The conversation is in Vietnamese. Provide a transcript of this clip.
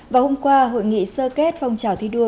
vào hôm qua hội nghị sơ kết phong trào thi đua